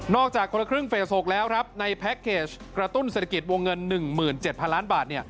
จากคนละครึ่งเฟส๖แล้วครับในแพ็คเกจกระตุ้นเศรษฐกิจวงเงิน๑๗๐๐ล้านบาท